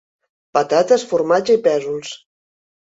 Patates, formatge i pèsols.